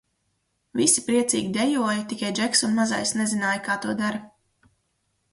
Visi priecīgi dejoja, tikai Džeks un Mazais nezināja kā to dara.